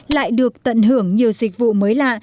lại được tận hưởng nhiều dịch vụ mới lạ